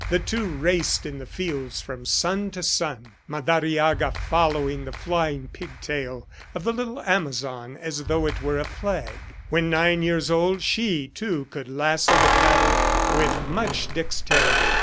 The two raced the fields from sun to sun, Madariaga following the flying pigtail of the little Amazon as though it were a flag. When nine years old she, too, could lasso the cattle with much dexterity.